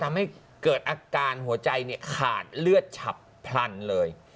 ทำให้เกิดอาการหัวใจขาดเลือดฉับพลันเลย